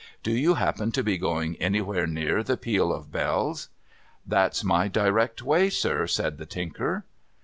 Do you happen to be going anywhere near the Peal of Bells ?'' That's my direct way, sir,' said the Tinker.